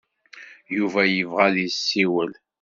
Yuba yebɣa ad yessiwel.